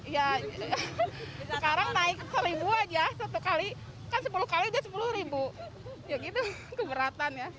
ya sekarang naik seribu aja satu kali kan sepuluh kali dia sepuluh ribu ya gitu keberatan ya